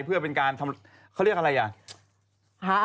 เพื่อเป็นการเขาเรียกอะไร